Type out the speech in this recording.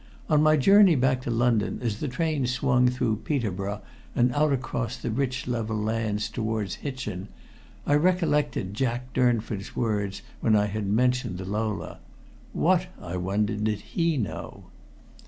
On my journey back to London, as the train swung through Peterborough and out across the rich level lands towards Hitchin, I recollected Jack Durnford's words when I had mentioned the Lola. What, I wondered, did he know?